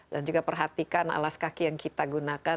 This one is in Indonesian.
dan juga perhatikan alas kaki yang kita gunakan